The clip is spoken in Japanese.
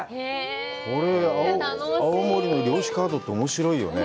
これ、青森の漁師カードっておもしろいよね。